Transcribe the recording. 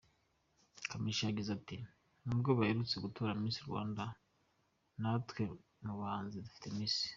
Kamichi yagize ati: “N’ubwo baherutse gutora Miss Rwanda, natwe mu bahanzi dufite Miss.